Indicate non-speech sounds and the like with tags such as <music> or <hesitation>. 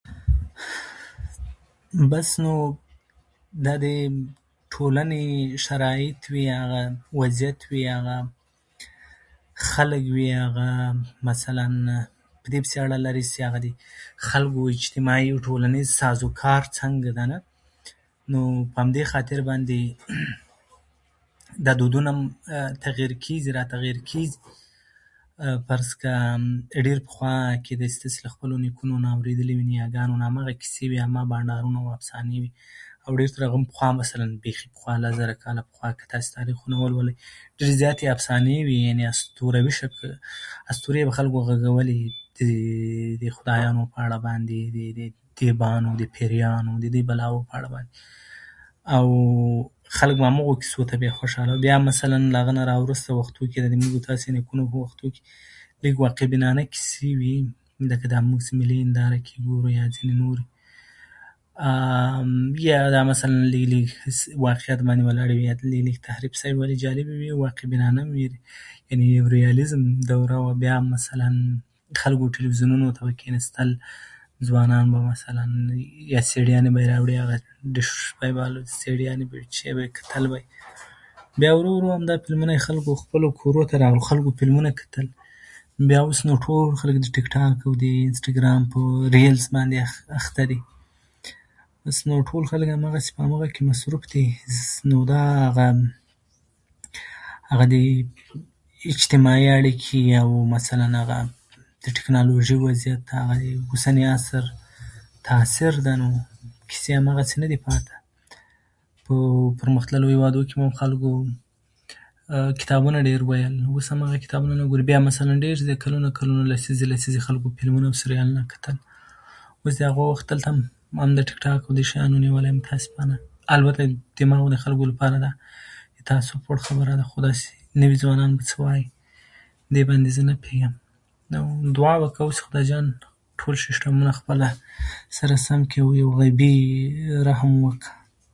بس نو دا د ټولنې شرایط وي، هغه وضعیت وي، یا هغه خلک وي، هغه مثلاً په دې پسې اړه لري چې د هغه خلکو اجتماعي او ټولنیزو سازوکار څنګه ده، کنه. نو په همدې خاطر باندې دا دودونه تغییر کېږي، راتغییر کېږي. فرض کړه ډېر پخوا کې ستاسو کېدای شي خپلو نیکو نه اورېدلي وي، نیاګانو نه هماغه کیسې وي، هماغه بنډارونه وو، افسانې وې. او ډېر پخوا مثلاً پیسې پخوا لس زره، که تاسو تاریخ وګورئ، ولولئ، ډېرې زیاتې افسانې وې. یعنې اسطوروي شکل، اسطورې به خلکو غږولې، د خدایانو په هکله باندې، د دېوانو او پېریانو او دې بلاوو په اړوند باندې، او خلک به هماغو کیسو ته ډېر خوشاله وو. بیا مثلاً د هغه نه راوروسته وختو کې، زموږ او ستاسې نیکونو په وختو کې دوی واقع‌بینانه کیسې وې، لکه موږ چې دا ملي هنداره کې ګورو، لکه داسې نور. <hesitation> یا دا مثلاً دا واقعیت باندې ولاړې، تحریف شوې وې، واقع‌بینانه هم وې. یعنې یو ریالیزم درلود وه. بیا مثلاً خلک به تلویزیونونو ته کیناستل، ځوانان وو، مثلاً سي ډيانې به یې راوړل، <unintelligible> سي ډيانې به وې، څه شی به وې، کتل به یې. بیا ورو ورو فلمونه د خلکو کورونو ته راغلل، بیا خلکو فلمونه کتل. بیا نو اوس ټول خلک د ټیک ټاک او انستاګرام په ریل باندې اخته اخته دي. اوس نو ټول خلک هماغسې په هماغه کې مصروف دي. نو دا هغه، هغه د اجتماعي اړیکې او مثلاً د ټکنالوژي وضعیت او د اوسني عصر تاثیر ده. نو کیسې هماغسې نه دي پاتې. په پرمختللیو هېوادو کې به خلکو کتابونه ډېر ویل، اوس هم هماغه کتابونه نه ګوري. اوس هم مثلاً ډېر کلونه کلونه، لسیزې لسیزې خلکو فلمونه او سیریالونه کتل. اوس د هغو وخت هم دلته ټیک ټاک او دې شیانو نیولی، متأسفانه البته د زما غوندې د خلکو لپاره ده. ستاسو <unintelligible> خبره ده، نوي ځوانان به څه وايي دې باندې، زه نه پوهېږم. او دواړو خدای جان ټول سیستمونه سره سم کړي او عیبي رحم وکړي.